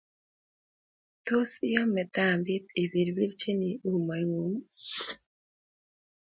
tos iame tambit ipirirchini umoingung